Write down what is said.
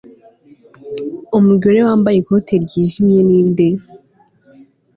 Umugore wambaye ikote ryijimye ninde